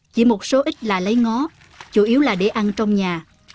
chỉ một số ít là lấy ngóp chủ yếu là để ăn trong nhà